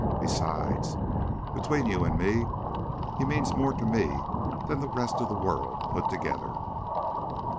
Besides, between you and me, he means more to me than the rest of the world put together."